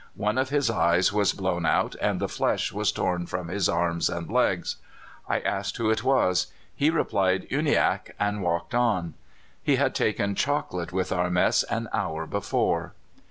One of his eyes was blown out, and the flesh was torn from his arms and legs. "I asked who it was. He replied, 'Uniacke,' and walked on. "He had taken chocolate with our mess an hour before!